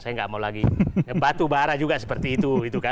saya nggak mau lagi batu bara juga seperti itu